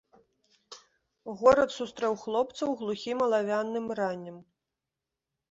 Горад сустрэў хлопцаў глухім алавяным раннем.